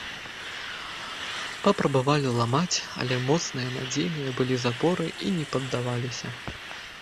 Папрабавалі ламаць, але моцныя, надзейныя былі запоры і не паддаваліся.